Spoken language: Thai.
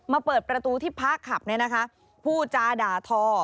มาเปิดประตูที่พระครับพู่จาด่าทอ